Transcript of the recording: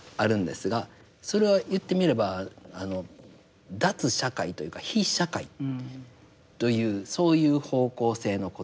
それは言ってみればあの脱社会というか非社会というそういう方向性のことですよね。